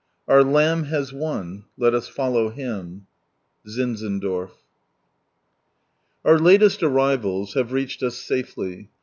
" Our Lami hai vien, LH HI fallaw Him I " ZlNZENDORF. Our latest arrivals have reached us safely.